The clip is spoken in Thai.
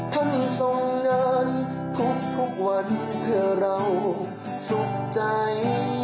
ท่านทรงงานทุกวันเพื่อเราสุขใจ